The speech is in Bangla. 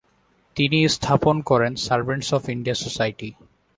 তিনি স্থাপন করেন সারভেন্টস অফ ইন্ডিয়া সোসাইটি।